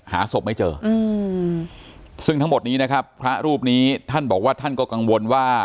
หาศพไม่เจอซึ่งทั้งหมดนี้นะครับพระรูปนี้ท่านบอกว่าท่านก็กังวลว่า